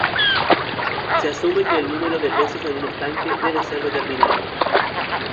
Se asume que el número de peces en un estanque debe ser determinado.